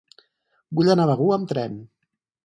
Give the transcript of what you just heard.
Vull anar a Begur amb tren.